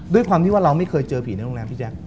ด้วยความที่ว่าเราไม่เคยเจอผีในโรงแรมพี่แจ๊ค